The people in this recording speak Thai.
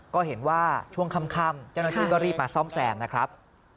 ก็เห็นว่าช่วงค่ำเจ้าหน้าที่ก็รีบมาซ่อมแซมนะครับ